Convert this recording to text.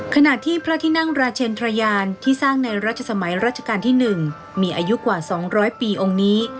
ขณะที่พระที่นั่งราชเชนทรยานที่สร้างในรัชสมัยราชการที่๑มีอายุกว่า๒๐๐ปีองค์นี้